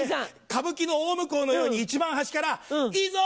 歌舞伎の大向うのように一番端から「いいぞ！